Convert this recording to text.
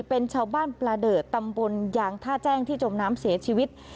เป็นชาวบ้านประเดิดตำบลยางท่าแจ้งที่จมน้ำเสียชีวิต